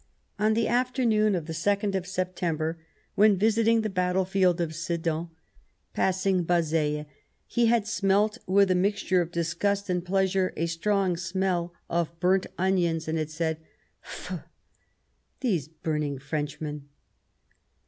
On the afternoon of the 2nd of September, when visiting the battle field of Sedan, passing Bazcillcs, he had smelt with a mixture of disgust and pleasure a strong smell of burnt onions, and had said :" Faugh, those burning Frenchmen